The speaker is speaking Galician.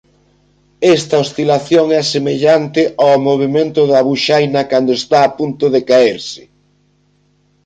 Esta oscilación é semellante ó movemento da buxaina cando está a punto de caerse.